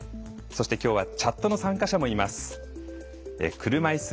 そして、きょうはチャットの参加者もいます。